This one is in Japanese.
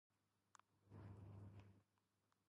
ｆｗｆ ぉ